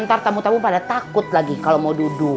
ntar tamu tamu pada takut lagi kalau mau duduk